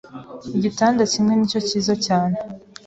Igitanda kimwe nicyo cyiza cyane.